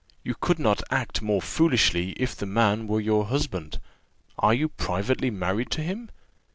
You could not act more foolishly if the man were your husband. Are you privately married to him?